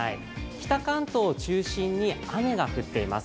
北関東を中心に雨が降っています。